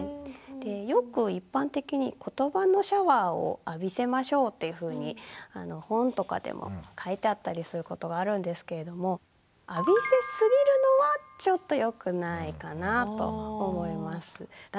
よく一般的に「ことばのシャワーを浴びせましょう」っていうふうに本とかでも書いてあったりすることがあるんですけれども浴びせすぎるのはちょっとよくないかなと思います。